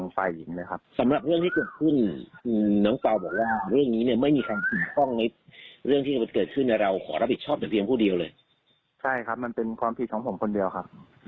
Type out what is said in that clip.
ฟังเสียงหน่อยค่ะ